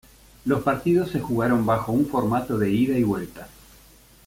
Los partidos se jugaron bajo un formato de ida y vuelta.